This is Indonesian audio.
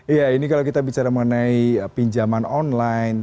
iya ini kalau kita bicara mengenai pinjaman online